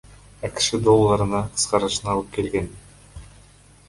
АКШ долларына кыскарышына алып келген.